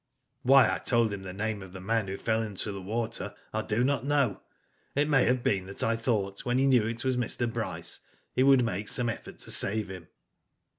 Why I told him the name of the man who fell into the water I do not know. It may have been that I thought when he knew it was Mr. Bryce, he would make some effort to save him.